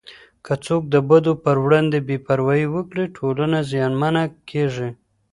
که څوک د بدو په وړاندې بې پروايي وکړي، ټولنه زیانمنه کېږي.